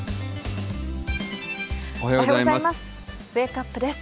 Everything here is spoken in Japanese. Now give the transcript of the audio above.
おはようございます。